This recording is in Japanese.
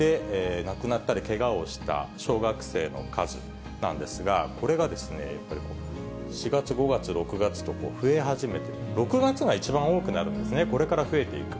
亡くなったりけがをした小学生の数なんですが、これがですね、やっぱり４月、５月、６月と増え始めて、６月が一番多くなるんですね、これから増えていく。